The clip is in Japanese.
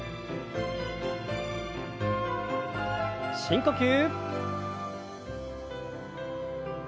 深呼吸。